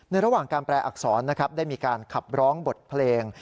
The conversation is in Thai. ระหว่างการแปลอักษรนะครับได้มีการขับร้องบทเพลง